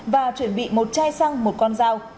và chuẩn bị một chai xăng một con dao